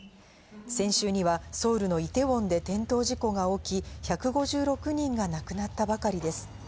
先週にはソウルのイテウォンで転倒事故が起き、１５６人が亡くなったばかりです。